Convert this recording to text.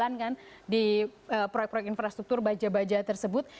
sekarang anda suka jalan kan di proyek proyek infrastruktur baja baja tersebut